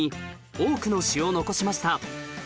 多くの詩を残しました